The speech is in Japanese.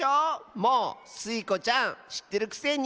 もうスイ子ちゃんしってるくせに。